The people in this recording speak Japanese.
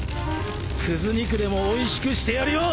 くず肉でもおいしくしてやるよ！